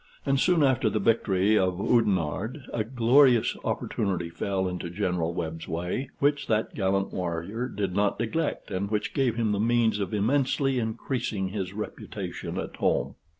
And soon after the victory of Oudenarde, a glorious opportunity fell into General Webb's way, which that gallant warrior did not neglect, and which gave him the means of immensely increasing his reputation at home.